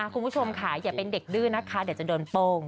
คุณผู้ชมค่ะอย่าเป็นเด็กดื้อนะคะเดี๋ยวจะโดนโป้ง